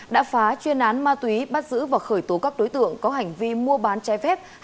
đã phá chuyên án ma túy bắt giữ và khởi tố các đối tượng có hành vi mua bán trái phép